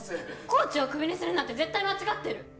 コーチをクビにするなんて絶対間違ってる！